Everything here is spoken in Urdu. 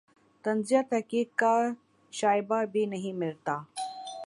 طنز یا تضحیک کا شائبہ بھی نہیں ملتا